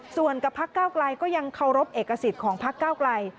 ส่วนกับภักดิ์ก้าวกลายก็ยังเคารพเอกสิทธิ์ของภักดิ์ก้าวกลาย